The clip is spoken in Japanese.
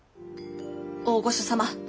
大御所様